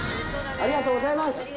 ありがとうございます。